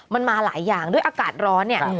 มันมาหลายอย่างด้วยอากาศร้อนเนี่ย